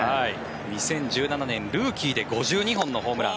２０１７年ルーキーで５２本のホームラン。